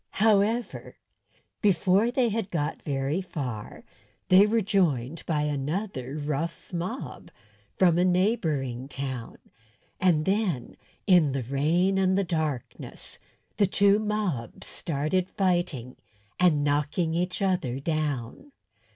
However, before they had got very far they were joined by another rough mob from a neighbouring town; and then, in the rain and the darkness, the two mobs started fighting and knocking each other down.